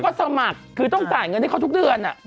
ก็สมัครคือต้องจ่ายเงินให้เขาทุกเดือน